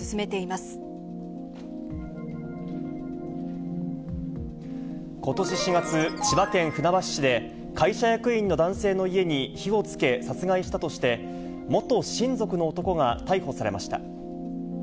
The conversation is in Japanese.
ーことし４月、千葉県船橋市で、会社役員の男性の家に火をつけ、殺害したとして、元親族の男が逮捕されました。